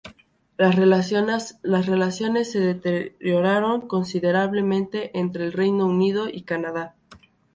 Las relaciones se deterioraron considerablemente entre el Reino Unido y Canadá.